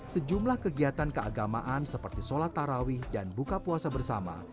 sejumlah kegiatan keagamaan seperti sholat tarawih dan buka puasa bersama